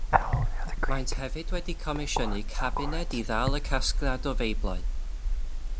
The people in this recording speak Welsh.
Maent hefyd wedi comisiynu cabined i ddal y casgliad o Feiblau.